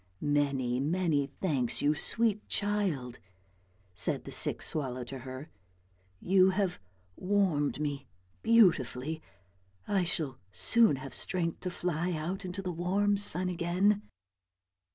" Many, many thanks, you sweet child," said the sick swallow to her; " you have warmed me beautifully. I shall soon have strength to fly out into the warm sun again."